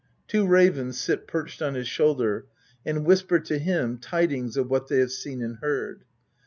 Two ravens sit perched on his shoulder, and whisper to him tidings of what they have seen and heard.